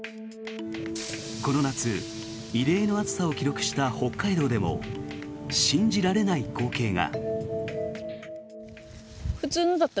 この夏、異例の暑さを記録した北海道でも信じられない光景が。